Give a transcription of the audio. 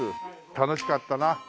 楽しかったな。